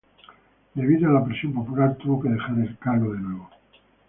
Debido a la presión popular tuvo que dejar el cargo de nuevo.